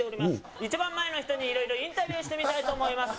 一番前の人にいろいろインタビューしてみたいと思います。